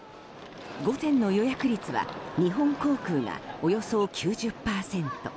午前の予約率は日本航空がおよそ９０％。